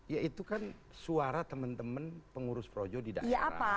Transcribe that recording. ya itu kan suara teman teman pengurus projo di daerah